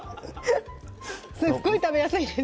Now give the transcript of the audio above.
すっごい食べやすいです